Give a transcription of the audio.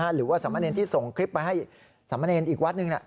หรือว่าสมเนรที่ส่งคลิปไปให้สามเณรอีกวัดหนึ่ง